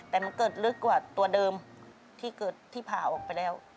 แต่มันเกิดลึกกว่าตัวเดิมที่เกิดที่ผ่าออกไปแล้ว